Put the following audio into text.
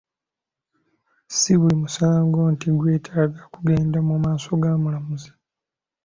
Si buli musango nti gwetaaga kugenda mu maaso ga mulamuzi.